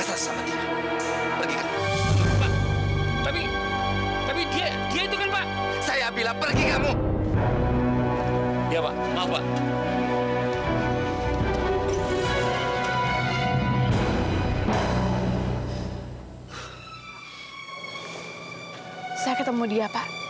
saya ketemu dia pak